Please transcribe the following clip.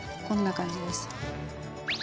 こんな感じです。